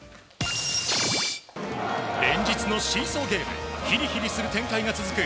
連日のシーソーゲームひりひりする展開が続く